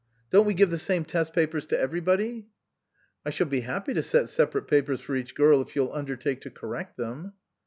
Don't we give the same test papers to everybody ?" "I shall be happy to set separate papers for each girl if you'll undertake to correct them."